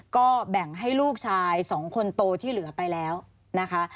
ก็แบ่งให้ลูกชาย๒คนโตที่เหลือไปแล้วนะคะ